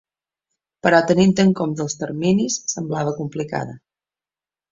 Però, tenint en compte els terminis, sembla complicada.